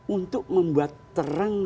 untuk membuat terang